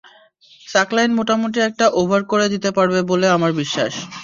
সাকলাইন মোটামুটি একটা ওভার করে দিতে পারবে বলে আমার বিশ্বাস ছিল।